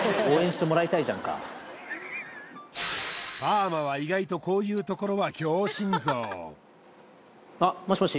パーマは意外とこういうところは強心臓あっもしもし？